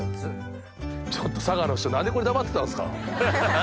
ちょっと佐賀の人何でこれ黙ってたんすか！